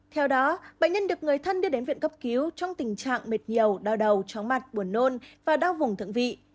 theo đó bệnh nhân được người thân đưa đến viện cấp cứu trong tình trạng mệt nhiều đau đầu chóng mặt buồn nôn và đau vùng thượng vị